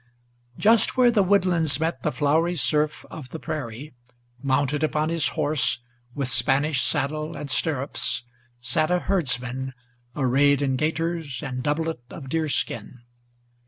Just where the woodlands met the flowery surf of the prairie, Mounted upon his horse, with Spanish saddle and stirrups, Sat a herdsman, arrayed in gaiters and doublet of deerskin.